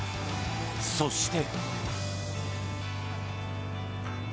そして。